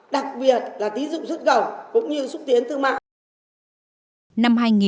đặc biệt là tí dụng xuất khẩu cũng như xúc tiến thương mạng